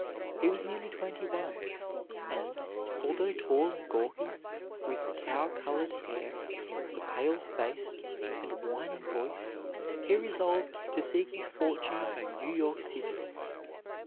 He was nearly twenty one; and, although tall and gawky, with tow colored hair, a pale face and whining voice, he resolved to seek his fortune in New York City.